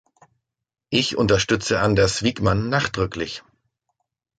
Ich unterstütze Anders Wijkman nachdrücklich.